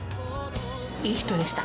いい人でした。